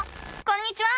こんにちは！